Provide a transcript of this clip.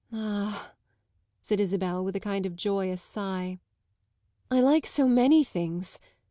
"Ah," said Isabel with a kind of joyous sigh, "I like so many things!